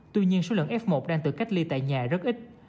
tuy nhiên số lượng f một đang tự cách ly tại nhà rất ít